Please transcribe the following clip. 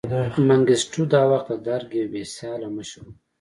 منګیسټیو دا وخت د درګ یو بې سیاله مشر و.